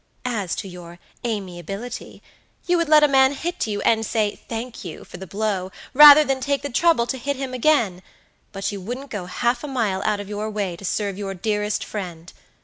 As to your amiability, you would let a man hit you, and say 'Thank you' for the blow, rather than take the trouble to hit him again; but you wouldn't go half a mile out of your way to serve your dearest friend.